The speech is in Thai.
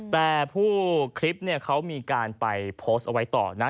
แต่ผู้คลิปเนี่ยเขามีการไปโพสต์เอาไว้ต่อนะ